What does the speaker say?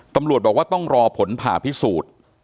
ตำรวจบอกว่าต้องรอผลผ่าพิสูจน์